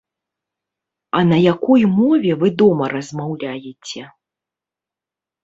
А на якой мове вы дома размаўляеце.